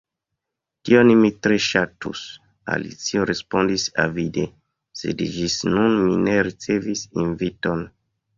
"Tion mi tre ŝatus," Alicio respondis avide, "sed ĝis nun mi ne ricevis inviton."